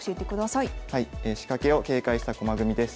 「仕掛けを警戒した駒組み」です。